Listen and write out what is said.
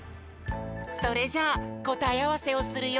それじゃあこたえあわせをするよ。